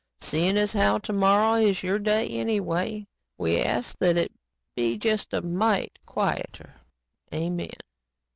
Seein' as how tomorrow is Your day anyway, we ask that it be just a mite quieter. Amen."